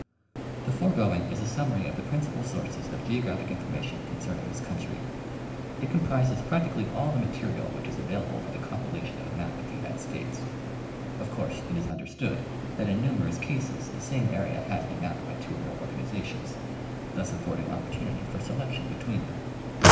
The foregoing is a summary of the principal sources of geo graphic information concerning this country. It comprises prac tically all the material which is available for the compilation of a map of the United States. Of course, it is understood that in numerous cases the same area has been mapped by two or more organizations, thus affording opportunity for selection between them.